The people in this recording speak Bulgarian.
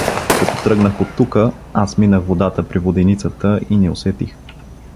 Като тръгнах оттука, аз минах водата при воденицата и не усетих.